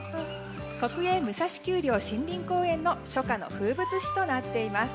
国営武蔵丘陵森林公園の初夏の風物詩となっています。